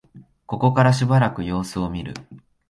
ここからしばらく様子を見る